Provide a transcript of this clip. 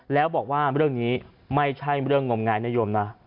แล้วบอกว่าเรื่องนี้ไม่ใช่เรื่องงมงายนโยมนะ